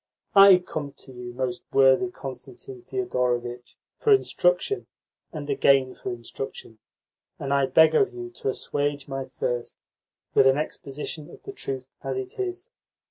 I come to you, most worthy Constantine Thedorovitch, for instruction, and again for instruction, and beg of you to assuage my thirst with an exposition of the truth as it is.